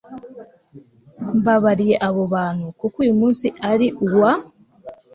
Mbabariye abo bantu kuko uyu munsi ari uwa